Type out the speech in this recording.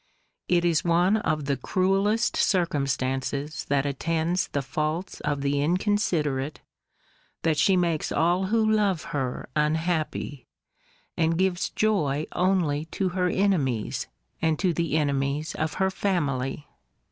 It is one of the cruelest circumstances that attends the faults of the inconsiderate, that she makes all who love her unhappy, and gives joy only to her own enemies, and to the enemies of her family.